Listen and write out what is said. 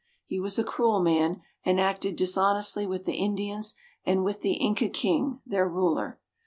He was a cruel man, and acted dishonestly with the Indians and with the Inca king, their ruler.